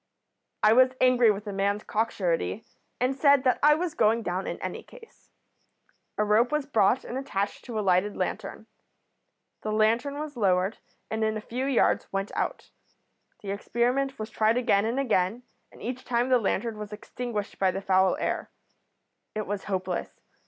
"I was angry with the man's cock surety, and said that I was going down in any case. A rope was brought and attached to a lighted lantern. The lantern was lowered, and in a few yards went out. The experiment was tried again and again, and each time the lantern was extinguished by the foul air. It was hopeless.